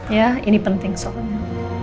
ya ini penting soalnya